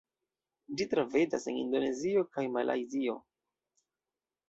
Ĝi troviĝas en Indonezio kaj Malajzio.